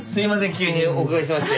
急にお伺いしまして。